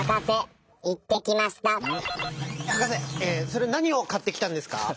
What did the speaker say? それなにをかってきたんですか？